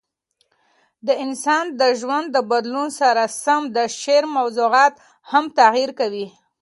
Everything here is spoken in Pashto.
د انسان د ژوند د بدلون سره سم د شعر موضوعات هم تغیر کوي.